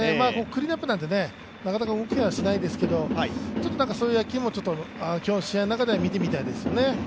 クリーンアップでなかなかケアしないんですけど、そういう野球も今日の試合の中では見てみたいですよね。